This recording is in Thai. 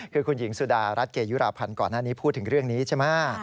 คือคุณหญิงสุดารัฐเกยุราพันธ์ก่อนหน้านี้พูดถึงเรื่องนี้ใช่ไหม